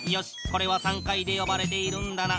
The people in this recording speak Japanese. これは３階でよばれているんだな。